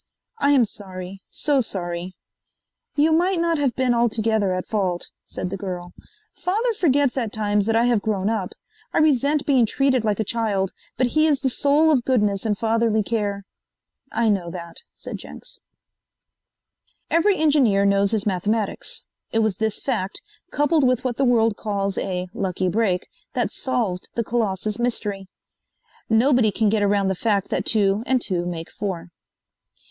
"I am sorry so sorry." "You might not have been altogether at fault," said the girl. "Father forgets at times that I have grown up. I resent being treated like a child, but he is the soul of goodness and fatherly care." "I know that," said Jenks. Every engineer knows his mathematics. It was this fact, coupled with what the world calls a "lucky break," that solved the Colossus mystery. Nobody can get around the fact that two and two make four.